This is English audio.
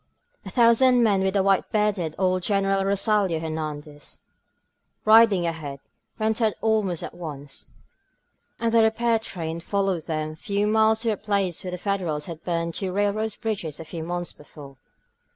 A thousand men, with white bearded old Greneral Rosalio Hernandez riding ahead, went out almost at once, and the repair train followed them a few miles to a place where the Federals had burned two railroad bridges a few months before.